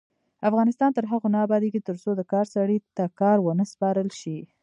افغانستان تر هغو نه ابادیږي، ترڅو د کار سړي ته کار ونه سپارل شي.